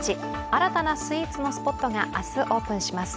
新たなスイーツのスポットが明日、オープンします。